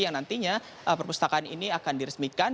yang nantinya perpustakaan ini akan diresmikan